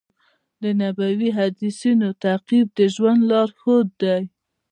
د نبوي حدیثونو تعقیب د ژوند لارښود دی.